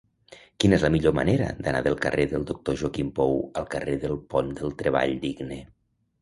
Quina és la millor manera d'anar del carrer del Doctor Joaquim Pou al carrer del Pont del Treball Digne?